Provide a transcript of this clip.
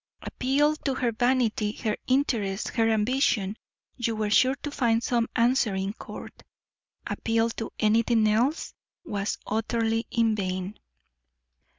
Appeal to her vanity, her interest, her ambition, you were sure to find some answering chord. Appeal to anything else was utterly in vain.